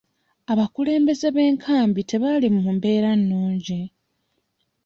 Abakulembeze b'enkambi tebali mu mbeera nnungi.